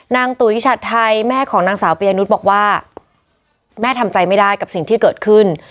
ตุ๋ยฉัดไทยแม่ของนางสาวปียนุษย์บอกว่าแม่ทำใจไม่ได้กับสิ่งที่เกิดขึ้น